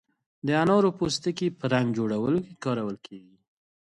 د انارو پوستکی په رنګ جوړولو کې کارول کیږي.